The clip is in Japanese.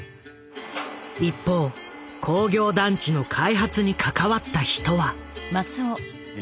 一方工業団地の開発に関わった人は。